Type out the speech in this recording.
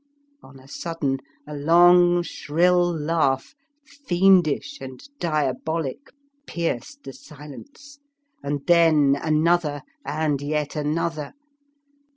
On a sudden, a long shrill laugh, fiendish and dia bolic, pierced the silence, and then another and yet another.